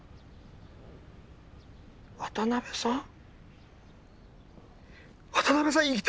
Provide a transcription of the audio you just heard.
渡辺さん。